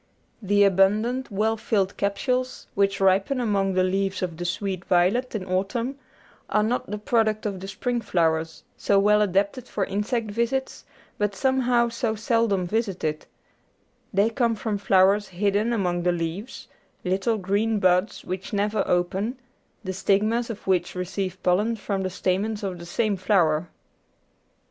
The abundant well filled capsules which ripen among the leaves of the sweet violet in autumn are not the product of the spring flowers, so well adapted for insect visits but somehow so seldom visited ; they come from flowers hidden among the leaves, little green buds which never open, the stigmas of which receive pollen from the stamens of the same flower.